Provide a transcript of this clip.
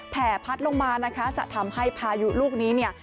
แผ่พัดลงมาจะทำให้พายุลูกนี้